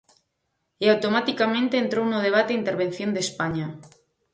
E automaticamente entrou no debate a intervención de España.